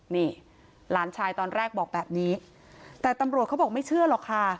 นี่หลานชายตอนแรกบอกแบบนี้แต่ตำรวจเขาบอกไม่เชื่อหรอกค่ะ